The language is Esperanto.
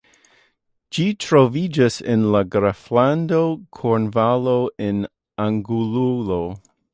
Ĝi troviĝas en la graflando Kornvalo en Anglujo.